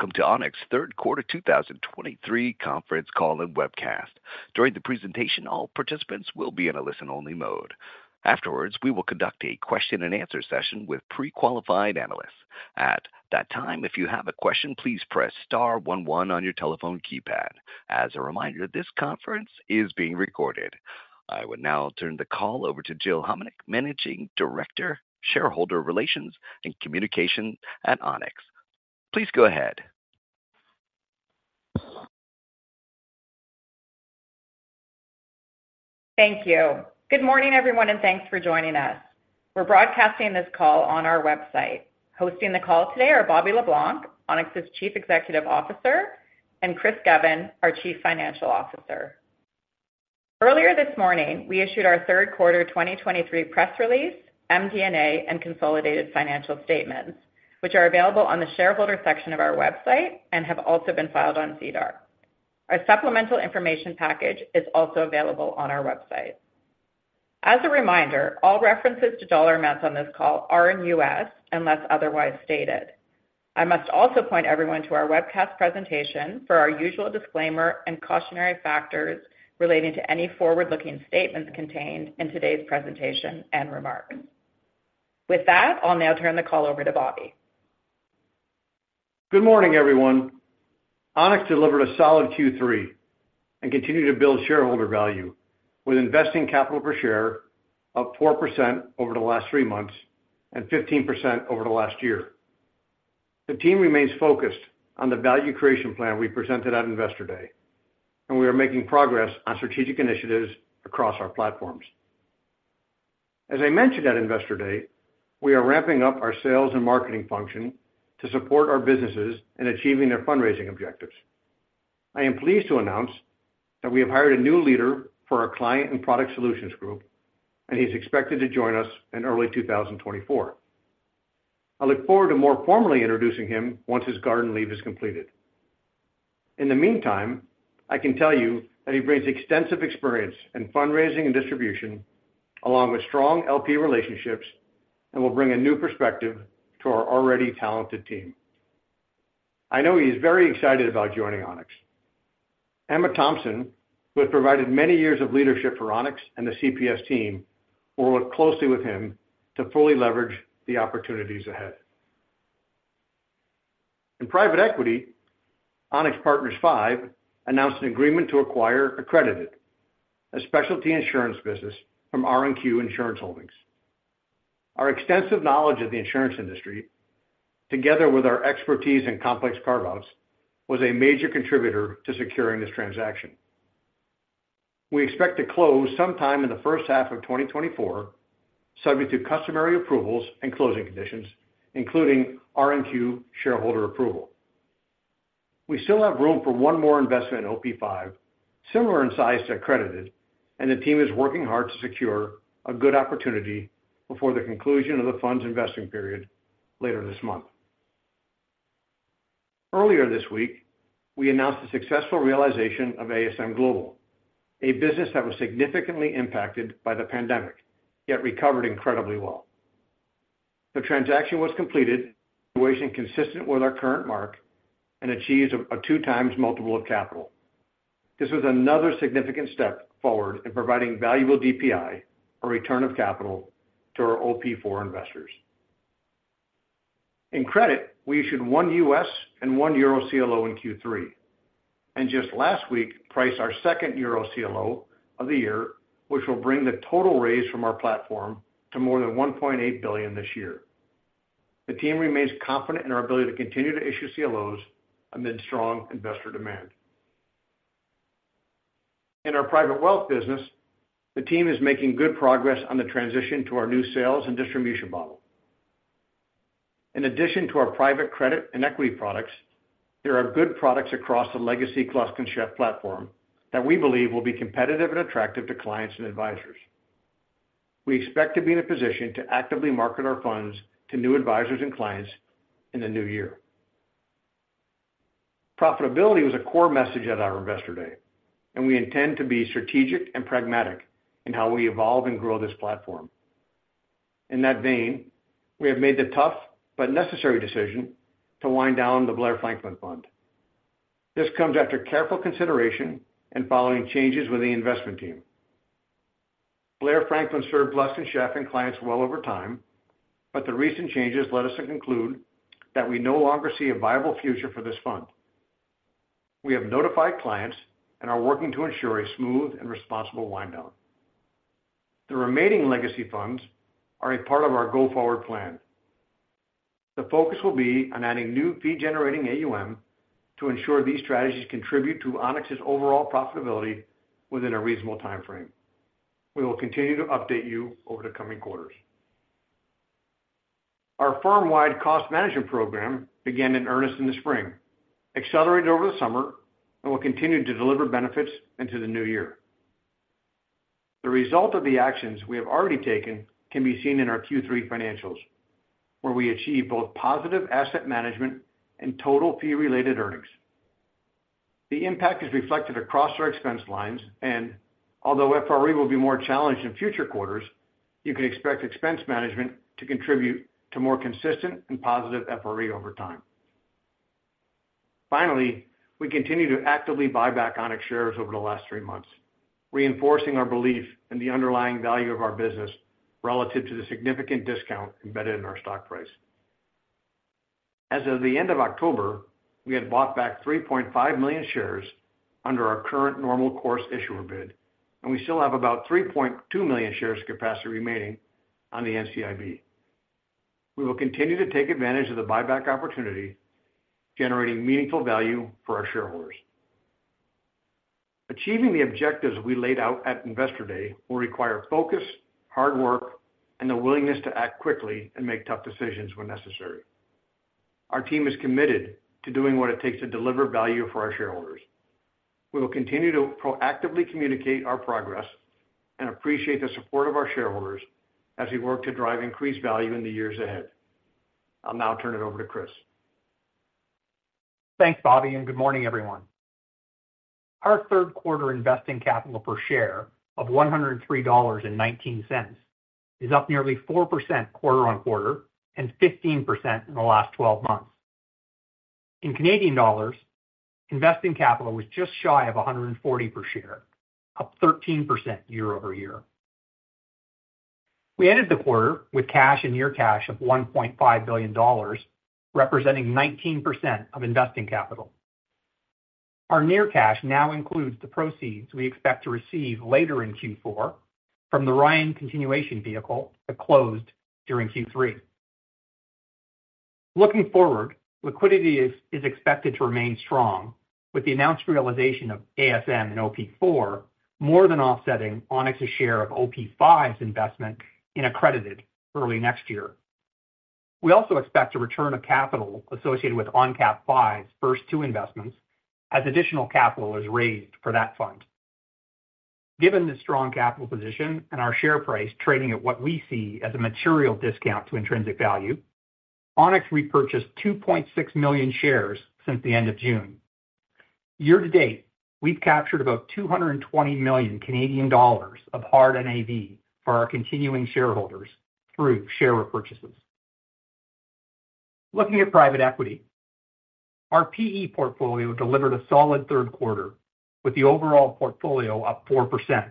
Welcome to Onex third quarter 2023 conference call and webcast. During the presentation, all participants will be in a listen-only mode. Afterwards, we will conduct a question and answer session with pre-qualified analysts. At that time, if you have a question, please press star one one on your telephone keypad. As a reminder, this conference is being recorded. I would now turn the call over to Jill Homenuk, Managing Director, Shareholder Relations and Communications at Onex. Please go ahead. Thank you. Good morning, everyone, and thanks for joining us. We're broadcasting this call on our website. Hosting the call today are Bobby Le Blanc, Onex's Chief Executive Officer, and Chris Govan, our Chief Financial Officer. Earlier this morning, we issued our third quarter 2023 press release, MD&A, and consolidated financial statements, which are available on the shareholder section of our website and have also been filed on SEDAR Our supplemental information package is also available on our website. As a reminder, all references to dollar amounts on this call are in U.S., unless otherwise stated. I must also point everyone to our webcast presentation for our usual disclaimer and cautionary factors relating to any forward-looking statements contained in today's presentation and remarks. With that, I'll now turn the call over to Bobby. Good morning, everyone. Onex delivered a solid Q3 and continued to build shareholder value with investing capital per share of 4% over the last three months and 15% over the last year. The team remains focused on the value creation plan we presented at Investor Day, and we are making progress on strategic initiatives across our platforms. As I mentioned at Investor Day, we are ramping up our sales and marketing function to support our businesses in achieving their fundraising objectives. I am pleased to announce that we have hired a new leader for our client and product solutions group, and he's expected to join us in early 2024. I look forward to more formally introducing him once his garden leave is completed. In the meantime, I can tell you that he brings extensive experience in fundraising and distribution, along with strong LP relationships, and will bring a new perspective to our already talented team. I know he's very excited about joining Onex. Emma Thompson, who has provided many years of leadership for Onex and the CPS team, will work closely with him to fully leverage the opportunities ahead. In private equity, Onex Partners V announced an agreement to acquire Accredited, a specialty insurance business from R&Q Insurance Holdings. Our extensive knowledge of the insurance industry, together with our expertise in complex carve-outs, was a major contributor to securing this transaction. We expect to close sometime in the first half of 2024, subject to customary approvals and closing conditions, including R&Q shareholder approval. We still have room for one more investment in OP V, similar in size to Accredited, and the team is working hard to secure a good opportunity before the conclusion of the fund's investing period later this month. Earlier this week, we announced the successful realization of ASM Global, a business that was significantly impacted by the pandemic, yet recovered incredibly well. The transaction was completed, situation consistent with our current mark and achieves a 2x multiple of capital. This was another significant step forward in providing valuable DPI or return of capital to our OP IV investors. In credit, we issued one U.S. and one Euro CLO in Q3, and just last week, priced our second Euro CLO of the year, which will bring the total raise from our platform to more than $1.8 billion this year. The team remains confident in our ability to continue to issue CLOs amid strong investor demand. In our private wealth business, the team is making good progress on the transition to our new sales and distribution model. In addition to our private credit and equity products, there are good products across the legacy Gluskin Sheff platform that we believe will be competitive and attractive to clients and advisors. We expect to be in a position to actively market our funds to new advisors and clients in the new year. Profitability was a core message at our Investor Day, and we intend to be strategic and pragmatic in how we evolve and grow this platform. In that vein, we have made the tough but necessary decision to wind down the Blair Franklin Fund. This comes after careful consideration and following changes with the investment team. Blair Franklin served Gluskin Sheff and clients well over time, but the recent changes led us to conclude that we no longer see a viable future for this fund. We have notified clients and are working to ensure a smooth and responsible wind down. The remaining legacy funds are a part of our go-forward plan. The focus will be on adding new fee-generating AUM to ensure these strategies contribute to Onex's overall profitability within a reasonable timeframe. We will continue to update you over the coming quarters. Our firm-wide cost management program began in earnest in the spring, accelerated over the summer, and will continue to deliver benefits into the new year. The result of the actions we have already taken can be seen in our Q3 financials, where we achieve both positive asset management and total fee-related earnings. The impact is reflected across our expense lines, and although FRE will be more challenged in future quarters, you can expect expense management to contribute to more consistent and positive FRE over time. Finally, we continue to actively buy back Onex shares over the last three months, reinforcing our belief in the underlying value of our business relative to the significant discount embedded in our stock price. As of the end of October, we had bought back 3.5 million shares under our current normal course issuer bid, and we still have about 3.2 million shares capacity remaining on the NCIB. We will continue to take advantage of the buyback opportunity, generating meaningful value for our shareholders. Achieving the objectives we laid out at Investor Day will require focus, hard work, and the willingness to act quickly and make tough decisions when necessary. Our team is committed to doing what it takes to deliver value for our shareholders. We will continue to proactively communicate our progress and appreciate the support of our shareholders as we work to drive increased value in the years ahead. I'll now turn it over to Chris. Thanks, Bobby, and good morning, everyone. Our third quarter investing capital per share of $103.19 is up nearly 4% quarter-on-quarter and 15% in the last twelve months. In Canadian dollars, investing capital was just shy of 140 per share, up 13% year-over-year. We ended the quarter with cash and near cash of $1.5 billion, representing 19% of investing capital. Our near cash now includes the proceeds we expect to receive later in Q4 from the Ryan Continuation Vehicle that closed during Q3. Looking forward, liquidity is expected to remain strong, with the announced realization of ASM and OP4 more than offsetting Onex's share of OP V's investment in Accredited early next year. We also expect a return of capital associated with ONCAP V's first two investments as additional capital is raised for that fund. Given the strong capital position and our share price trading at what we see as a material discount to intrinsic value, Onex repurchased 2.6 million shares since the end of June. Year to date, we've captured about 220 million Canadian dollars of hard NAV for our continuing shareholders through share repurchases. Looking at private equity. Our PE portfolio delivered a solid third quarter, with the overall portfolio up 4%,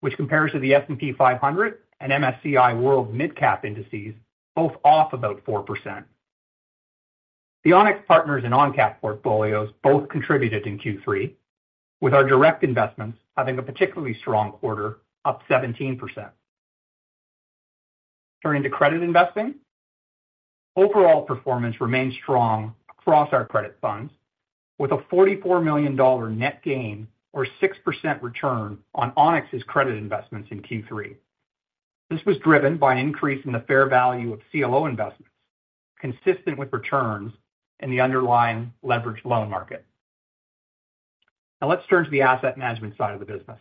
which compares to the S&P 500 and MSCI World Mid Cap indices, both off about 4%. The Onex Partners and ONCAP portfolios both contributed in Q3, with our direct investments having a particularly strong quarter, up 17%. Turning to credit investing. Overall performance remained strong across our credit funds, with a $44 million net gain or 6% return on Onex's credit investments in Q3. This was driven by an increase in the fair value of CLO investments, consistent with returns in the underlying leveraged loan market. Now let's turn to the asset management side of the business.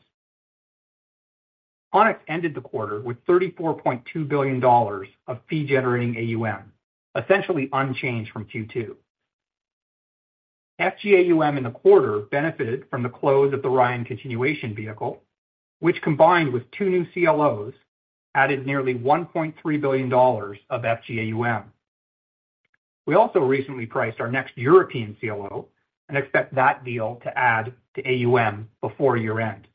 Onex ended the quarter with $34.2 billion of fee-generating AUM, essentially unchanged from Q2. FGAUM in the quarter benefited from the close of the Ryan Continuation Vehicle, which, combined with two new CLOs, added nearly $1.3 billion of FGAUM. We also recently priced our next European CLO and expect that deal to add to AUM before year-end.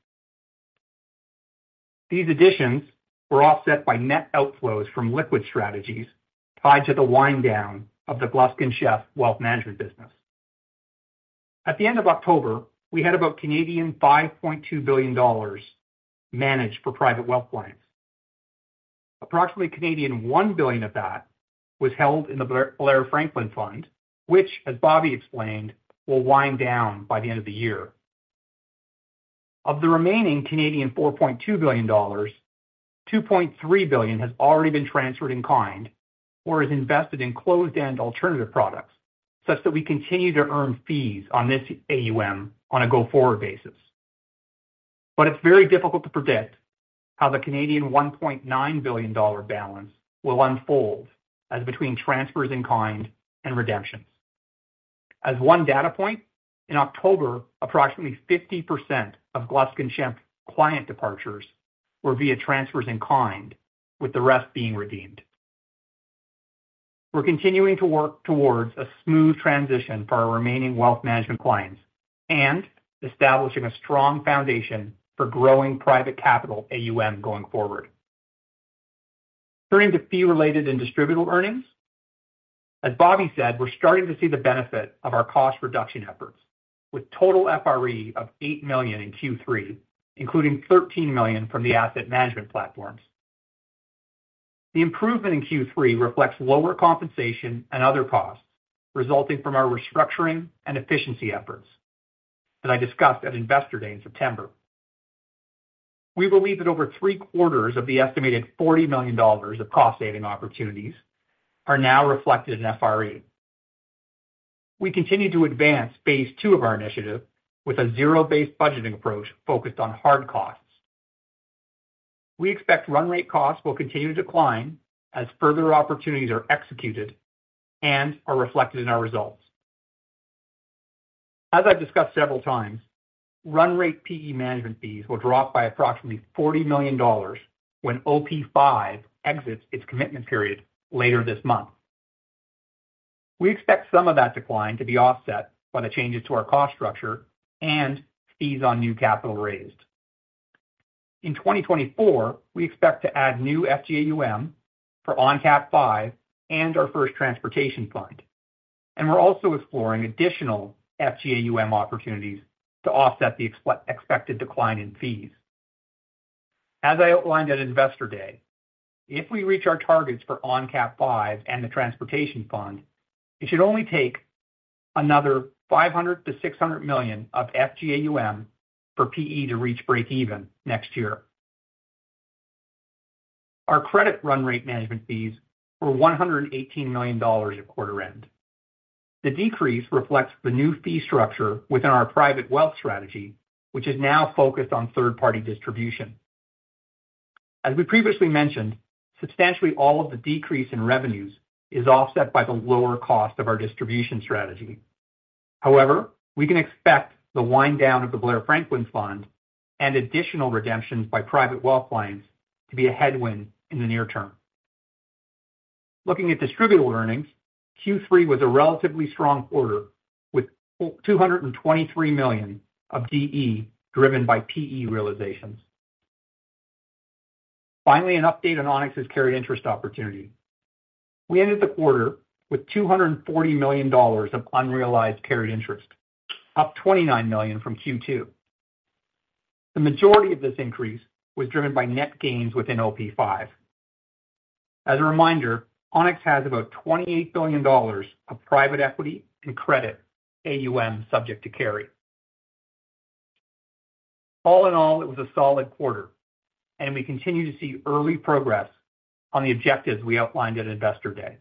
These additions were offset by net outflows from liquid strategies tied to the wind down of the Gluskin Sheff wealth management business. At the end of October, we had about 5.2 billion Canadian dollars managed for private wealth clients. Approximately 1 billion Canadian dollars of that was held in the Blair Franklin Fund, which, as Bobby explained, will wind down by the end of the year. Of the remaining 4.2 billion Canadian dollars, 2.3 billion has already been transferred in kind or is invested in closed-end alternative products such that we continue to earn fees on this AUM on a go-forward basis. But it's very difficult to predict how the 1.9 billion dollar balance will unfold as between transfers in kind and redemptions. As one data point, in October, approximately 50% of Gluskin Sheff client departures were via transfers in kind, with the rest being redeemed. We're continuing to work towards a smooth transition for our remaining wealth management clients and establishing a strong foundation for growing private capital AUM going forward. Turning to fee-related and distributable earnings. As Bobby said, we're starting to see the benefit of our cost reduction efforts, with total FRE of $8 million in Q3, including $13 million from the asset management platforms. The improvement in Q3 reflects lower compensation and other costs resulting from our restructuring and efficiency efforts that I discussed at Investor Day in September. We believe that over three-quarters of the estimated $40 million of cost-saving opportunities are now reflected in FRE. We continue to advance phase two of our initiative with a zero-based budgeting approach focused on hard costs. We expect run rate costs will continue to decline as further opportunities are executed and are reflected in our results. As I've discussed several times, run rate PE management fees will drop by approximately $40 million when OP Five exits its commitment period later this month. We expect some of that decline to be offset by the changes to our cost structure and fees on new capital raised. In 2024, we expect to add new FGAUM for ONCAP V and our first transportation fund, and we're also exploring additional FGAUM opportunities to offset the expected decline in fees. As I outlined at Investor Day, if we reach our targets for ONCAP V and the transportation fund, it should only take another 500-600 million of FGAUM for PE to reach breakeven next year. Our credit run rate management fees were $118 million at quarter end. The decrease reflects the new fee structure within our private wealth strategy, which is now focused on third-party distribution. As we previously mentioned, substantially all of the decrease in revenues is offset by the lower cost of our distribution strategy. However, we can expect the wind down of the Blair Franklin Fund and additional redemptions by private wealth clients to be a headwind in the near term. Looking at distributable earnings, Q3 was a relatively strong quarter, with $223 million of DE driven by PE realizations. Finally, an update on Onex's carried interest opportunity. We ended the quarter with $240 million of unrealized carried interest, up $29 million from Q2. The majority of this increase was driven by net gains within OP Five. As a reminder, Onex has about $28 billion of private equity and credit AUM subject to carry. All in all, it was a solid quarter, and we continue to see early progress on the objectives we outlined at Investor Day.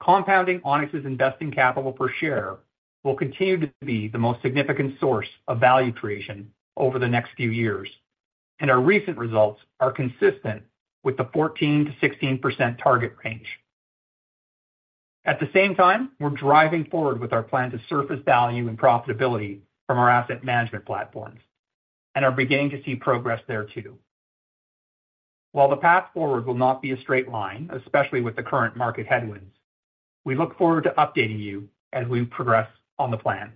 Compounding Onex's investing capital per share will continue to be the most significant source of value creation over the next few years, and our recent results are consistent with the 14%-16% target range. At the same time, we're driving forward with our plan to surface value and profitability from our asset management platforms and are beginning to see progress there too. While the path forward will not be a straight line, especially with the current market headwinds, we look forward to updating you as we progress on the plan.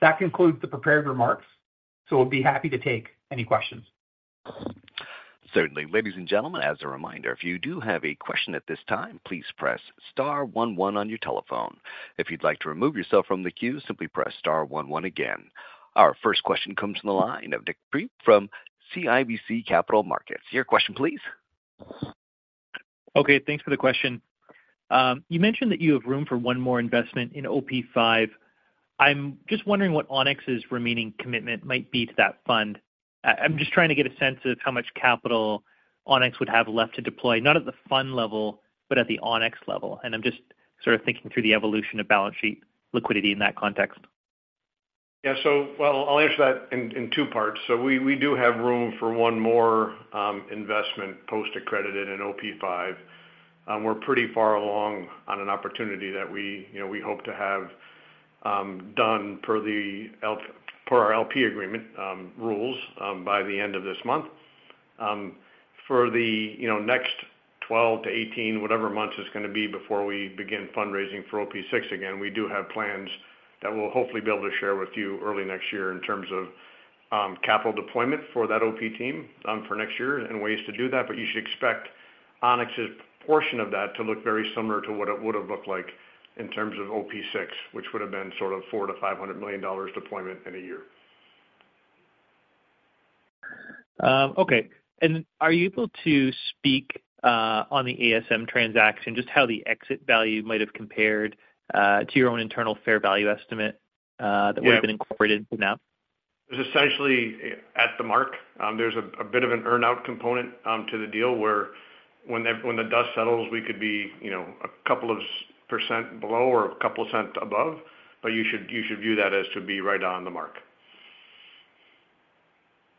That concludes the prepared remarks, so we'll be happy to take any questions. Certainly. Ladies and gentlemen, as a reminder, if you do have a question at this time, please press star one one on your telephone. If you'd like to remove yourself from the queue, simply press star one one again. Our first question comes from the line of Nik Priebe from CIBC Capital Markets. Your question, please. Okay, thanks for the question. You mentioned that you have room for one more investment in OP Five. I'm just wondering what Onex's remaining commitment might be to that fund. I'm just trying to get a sense of how much capital Onex would have left to deploy, not at the fund level, but at the Onex level. And I'm just sort of thinking through the evolution of balance sheet liquidity in that context. Yeah. So well, I'll answer that in two parts. So we do have room for one more investment post-Accredited in OP Five. We're pretty far along on an opportunity that we, you know, we hope to have done per our LP agreement rules by the end of this month. For the, you know, next 12-18 months it's gonna be before we begin fundraising for OP VI again, we do have plans that we'll hopefully be able to share with you early next year in terms of capital deployment for that OP team for next year and ways to do that. But you should expect Onex's portion of that to look very similar to what it would have looked like in terms of OP VI, which would have been sort of $400 million-$500 million deployment in a year. Okay. And are you able to speak on the ASM transaction, just how the exit value might have compared to your own internal fair value estimate, that would- Yeah... have been incorporated to now? It's essentially at the mark. There's a bit of an earn-out component to the deal, where when the dust settles, we could be, you know, a couple of percent below or a couple percent above, but you should view that as to be right on the mark.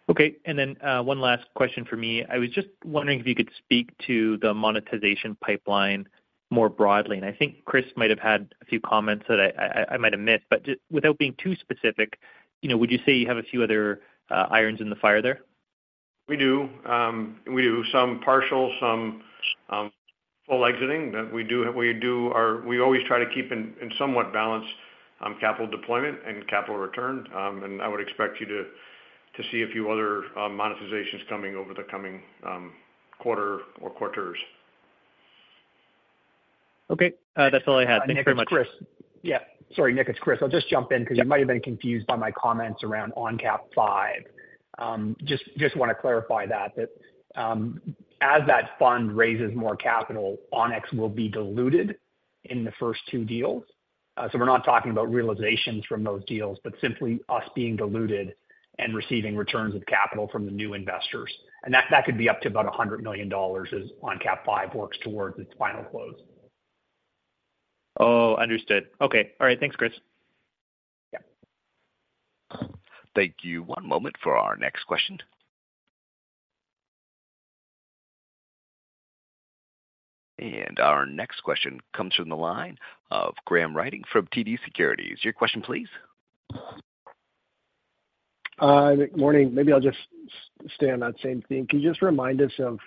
Okay. And then, one last question for me. I was just wondering if you could speak to the monetization pipeline more broadly. And I think Chris might have had a few comments that I might have missed. But just without being too specific, you know, would you say you have a few other irons in the fire there? We do. We do some partial, some full exiting. But we do, we do our—we always try to keep in, in somewhat balanced capital deployment and capital return. And I would expect you to, to see a few other monetizations coming over the coming quarter or quarters. Okay, that's all I had. Thank you very much. Nik, it's Chris. Yeah, sorry, Nik, it's Chris. I'll just jump in because you might have been confused by my comments around ONCAP V. Just want to clarify that, as that fund raises more capital, Onex will be diluted in the first two deals. So we're not talking about realizations from those deals, but simply us being diluted and receiving returns of capital from the new investors. That could be up to about $100 million as ONCAP Five works towards its final close.... Oh, understood. Okay. All right. Thanks, Chris. Yeah. Thank you. One moment for our next question. Our next question comes from the line of Graham Ryding from TD Securities. Your question, please? Good morning. Maybe I'll just stay on that same theme. Can you just remind us of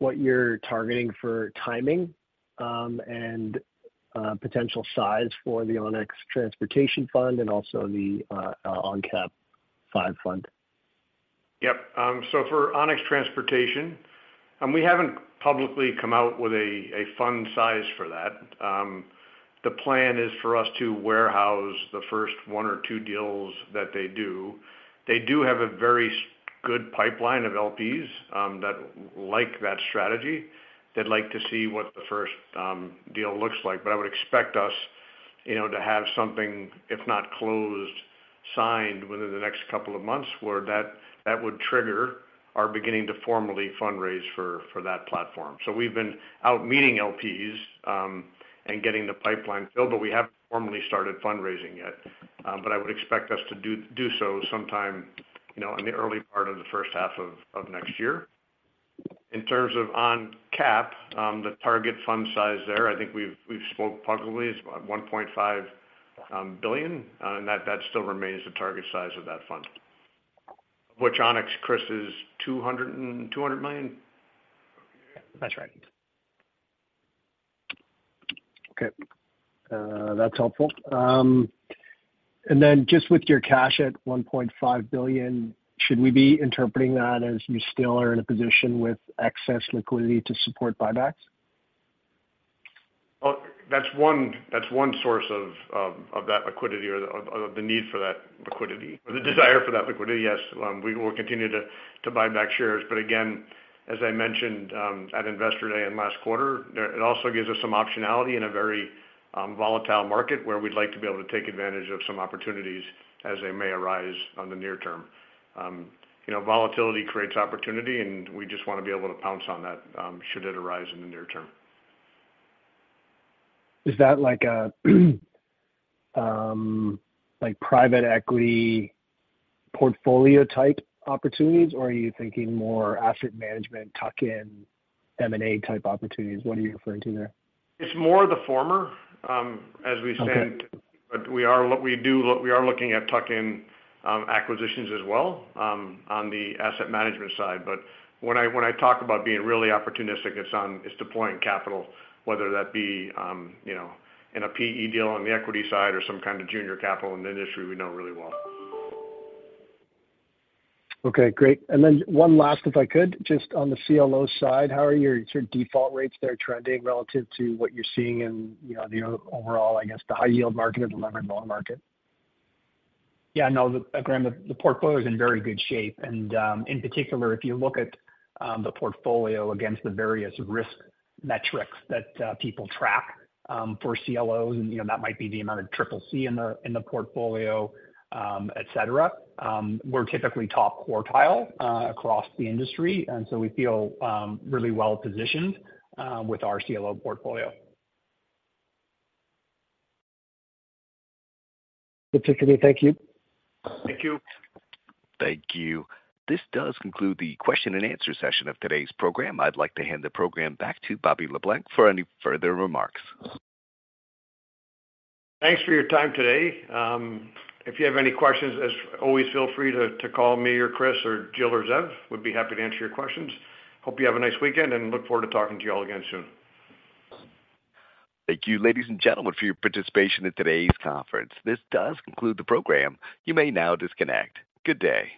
what you're targeting for timing, and potential size for the Onex Transportation Fund and also the ONCAP 5 Fund? Yep. So for Onex Transportation, and we haven't publicly come out with a fund size for that. The plan is for us to warehouse the first one or two deals that they do. They do have a very good pipeline of LPs that like that strategy. They'd like to see what the first deal looks like. But I would expect us, you know, to have something, if not closed, signed within the next couple of months, where that would trigger our beginning to formally fundraise for that platform. So we've been out meeting LPs and getting the pipeline filled, but we haven't formally started fundraising yet. But I would expect us to do so sometime, you know, in the early part of the first half of next year. In terms of ONCAP, the target fund size there, I think we've spoke publicly, is about $1.5 billion, and that still remains the target size of that fund. Which Onex, Chris, is 200 and 200 million? That's right. Okay. That's helpful. And then just with your cash at $1.5 billion, should we be interpreting that as you still are in a position with excess liquidity to support buybacks? Well, that's one source of that liquidity or of the need for that liquidity or the desire for that liquidity. Yes, we will continue to buy back shares. But again, as I mentioned, at Investor Day and last quarter, it also gives us some optionality in a very volatile market, where we'd like to be able to take advantage of some opportunities as they may arise on the near term. You know, volatility creates opportunity, and we just wanna be able to pounce on that, should it arise in the near term. Is that like a, like private equity portfolio-type opportunities, or are you thinking more asset management, tuck-in, M&A type opportunities? What are you referring to there? It's more the former, as we said- Okay. but we are looking at tuck-in acquisitions as well, on the asset management side. But when I talk about being really opportunistic, it's deploying capital, whether that be, you know, in a PE deal on the equity side or some kind of junior capital in an industry we know really well. Okay, great. And then one last, if I could, just on the CLO side, how are your default rates there trending relative to what you're seeing in, you know, the overall, I guess, the high yield market or the levered loan market? Yeah, no, Graham, the portfolio is in very good shape. And, in particular, if you look at the portfolio against the various risk metrics that people track for CLOs, and, you know, that might be the amount of triple C in the portfolio, et cetera, we're typically top quartile across the industry. And so we feel really well positioned with our CLO portfolio. particularly. Thank you. Thank you. Thank you. This does conclude the question and answer session of today's program. I'd like to hand the program back to Bobby Le Blanc for any further remarks. Thanks for your time today. If you have any questions, as always, feel free to call me or Chris or Jill or Zev. We'd be happy to answer your questions. Hope you have a nice weekend, and look forward to talking to you all again soon. Thank you, ladies and gentlemen, for your participation in today's conference. This does conclude the program. You may now disconnect. Good day.